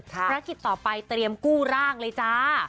ภารกิจต่อไปเตรียมกู้ร่างเลยจ้า